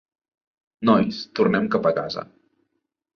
Nois, tornem cap a casa.